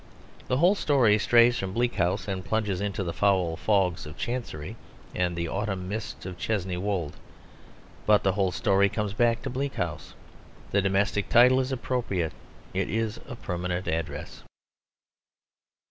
The whole story strays from Bleak House and plunges into the foul fogs of Chancery and the autumn mists of Chesney Wold; but the whole story comes back to Bleak House. The domestic title is appropriate; it is a permanent address.